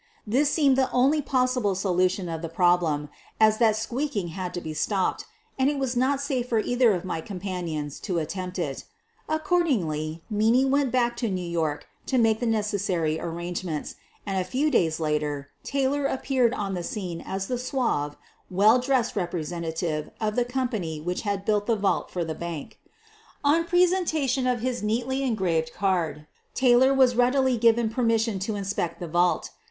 This seemed the only possible solution of the problem, as that squeaking had to be stopped, and it was not safe for either of my companions to at tempt it. Accordingly, Meaney went back to New York to make the necessary arrangements, and a few days later Taylor appeared on the scene as the suave, well dressed representative of the company which had built the vault for this bank. On presentation of his neatly engraved card, Tay lor was readily given permission to inspect the vault.